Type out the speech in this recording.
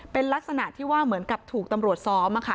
เป็นลักษณะที่ว่าเหมือนกับถูกตำรวจซ้อมค่ะ